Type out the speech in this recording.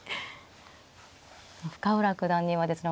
深浦九段にはですね